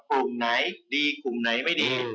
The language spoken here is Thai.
กลุ่มไหนดีกลุ่มไหนไม่ดี